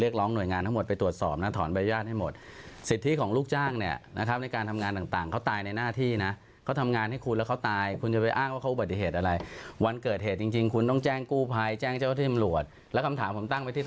ก็นั่นถาดว่าตำรวจก็พิสุทธิ์หลักฐานคือไม่ได้ลงพื้นที่